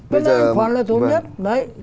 cái này anh toán là tốt nhất